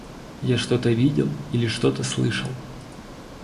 Я что-то видел или что-то слышал...